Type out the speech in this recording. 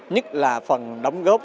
nhất là phần đồng góp